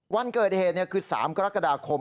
วันเกิดเหตุคือ๓กรกฎาคม